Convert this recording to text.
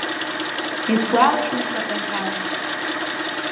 Исгәалашәом шаҟа иҳәаз.